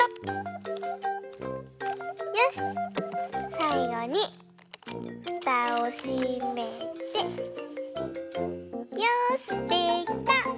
さいごにふたをしめてよしできた！